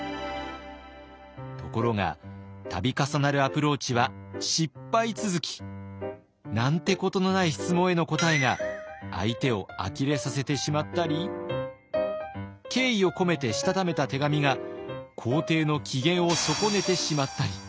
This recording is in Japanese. ところが度重なるアプローチは失敗続き。なんてことのない質問への答えが相手をあきれさせてしまったり敬意を込めてしたためた手紙が皇帝の機嫌を損ねてしまったり。